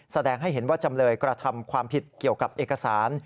แสดงให้เห็นว่าจำเลยกระทำความผิดเกี่ยวกับเอกสาร